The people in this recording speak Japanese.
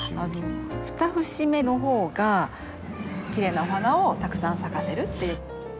２節目の方がきれいなお花をたくさん咲かせるっていう。